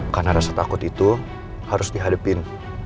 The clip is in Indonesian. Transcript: karena rasa takut itu harus dihadepin